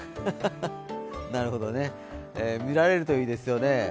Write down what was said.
なるほどね見られるといいですよね。